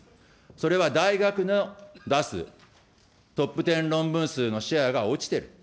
それは大学の出すＴｏｐ１０論文数のシェアが落ちている。